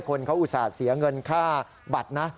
คนเขาอุตส่าห์เสียเงินค่าบัตรนะ